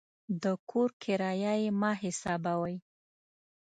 د کور کرایه یې مه حسابوئ.